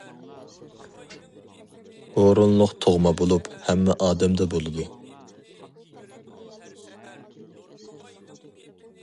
ھۇرۇنلۇق تۇغما بولۇپ، ھەممە ئادەمدە بولىدۇ.